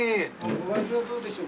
お味はどうでしょうか？